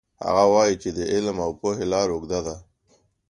هغه وایي چې د علم او پوهې لار اوږده ده